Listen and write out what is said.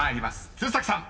鶴崎さん］